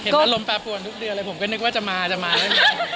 เห็นอารมณ์แปรปวนครบเดือนเลยผมก็นึกว่าจะมาแล้ว